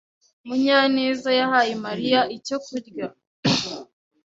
Munyaneza yahaye Mariya icyo kurya.